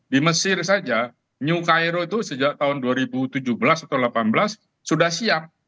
di mesir saja new cairo itu sejak tahun dua ribu tujuh belas atau delapan belas sudah siap